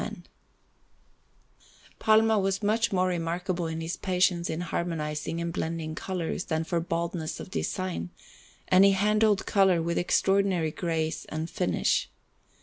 Panel_)] Palma was much more remarkable for his patience in harmonizing and blending colours than for boldness of design, and he handled colour with extraordinary grace and finish.